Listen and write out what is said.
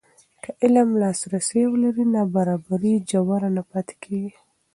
که علم لاسرسی ولري، نابرابري ژوره نه پاتې کېږي.